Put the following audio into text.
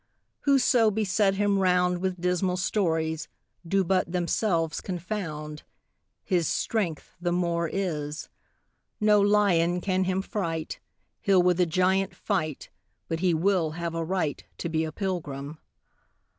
"Whoso beset him round With dismal stories, Do but themselves confound His strength the more is. No lion can him fright; He'll with a giant fight, But he will have a right To be a pilgrim.